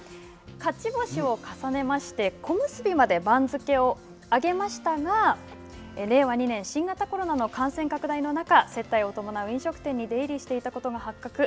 勝ち星を重ねまして、小結まで番付を上げましたが令和２年、新型コロナの感染拡大の中、接待を伴う飲食店に出入りしていたことが、発覚。